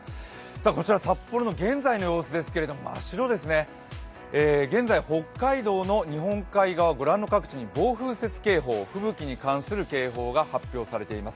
こちら札幌の現在の様子ですけど、真っ白ですね、北海道はご覧の各地に暴風雪警報、吹雪に関する警報が発表されています。